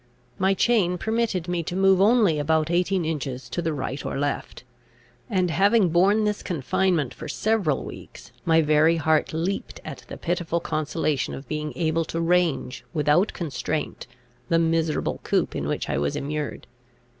My chain permitted me to move only about eighteen inches to the right or left; and, having borne this confinement for several weeks, my very heart leaped at the pitiful consolation of being able to range, without constraint, the miserable coop in which I was immured.